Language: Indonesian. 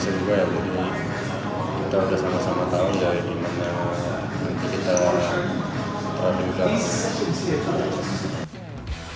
tidak berbeda dengan leo daniel dalam tunggal putri gregoria mariska tunjung pun mengaku persiapannya sudah bagus